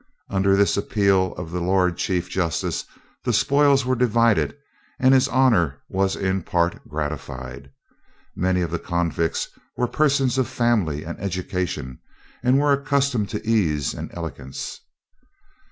Under this appeal of the lord chief justice the spoils were divided and his honor was in part gratified. Many of the convicts were persons of family and education, and were accustomed to ease and elegance.